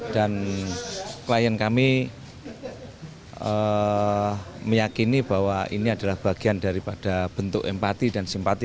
dan klien kami meyakini bahwa ini adalah bagian daripada bentuk empati dan simpati